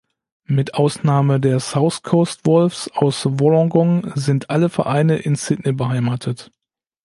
Mit Ausnahme der South Coast Wolves aus Wollongong sind alle Vereine in Sydney beheimatet.